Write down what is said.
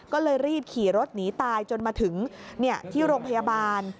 ก็เลยรีบขี่รถหนีตายจนมาถึงที่โรงพยาบาล